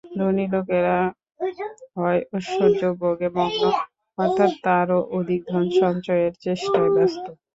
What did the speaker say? ধনী লোকেরা হয় ঐশ্বর্যভোগে মগ্ন, অথবা আরও অধিক ধন-সঞ্চয়ের চেষ্টায় ব্যস্ত।